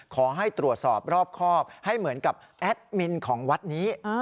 ขอให้ตรวจสอบรอบครอบให้เหมือนกับแอดมินของวัดนี้